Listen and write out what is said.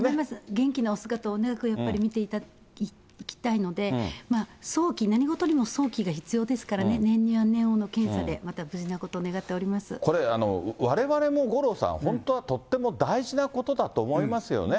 元気なお姿を長くやっぱり見ていきたいので、早期、何事にも早期が必要ですからね、念には念を、検査で、また無事なことを願ってこれ、われわれも五郎さん、本当はとっても大事なことだと思いますよね。